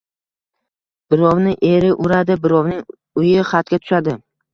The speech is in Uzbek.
Birovni eri uradi, birovning uyi xatga tushadi